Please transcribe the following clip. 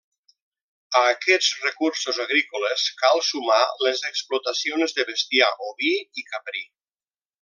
A aquests recursos agrícoles cal sumar les explotacions de bestiar oví i caprí.